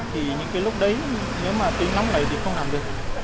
thì những cái lúc đấy nếu mà tính lắm lấy thì không làm được